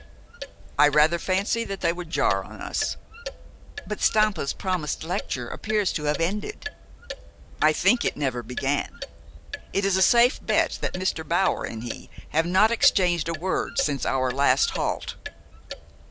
"I rather fancy that they would jar on us." "But Stampa's promised lecture appears to have ended?" "I think it never began. It is a safe bet that Mr. Bower and he have not exchanged a word since our last halt."